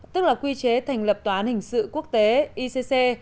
tức là quy chế thành lập tòa án hình sự quốc tế icc